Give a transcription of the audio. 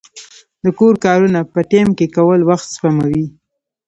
د کور کارونه په ټیم کې کول وخت سپموي.